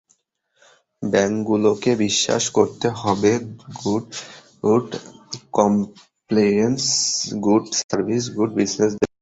ব্যাংকগুলোকে বিশ্বাস করতে হবে good compliance, good service good business দেবে।